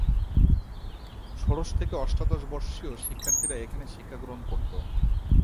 ষোড়শ থেকে অষ্টাদশ বর্ষীয় শিক্ষার্থীরা এখানে শিক্ষাগ্রহণ করত।